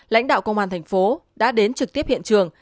lãnh đạo công an tp đã đến trực tiếp hiện trường